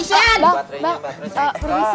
bang bang permisi